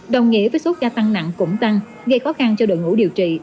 đồng nghĩa với số ca tăng nặng cũng tăng gây khó khăn cho đội ngũ điều trị